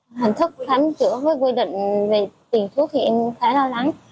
vì việc thay đổi hình thức khám chữa với quy định về tiền thuốc thì em khá lo lắng